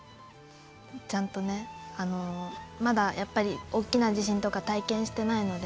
ちゃんとねまだやっぱり大きな地震とか体験してないので。